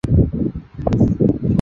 世仆制起源于封建社会的蓄奴制。